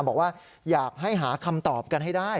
บอกว่าอยากให้หาคำตอบกันให้ได้